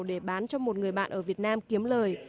để bán cho một người bạn ở việt nam kiếm lời